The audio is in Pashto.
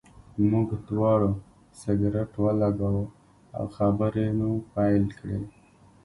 موږ دواړو سګرټ ولګاوه او خبرې مو پیل کړې.